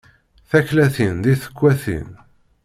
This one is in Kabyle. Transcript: Taklatin di tekwatin.